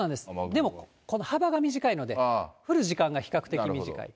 でも、この幅が短いので、降る時間が比較的短い。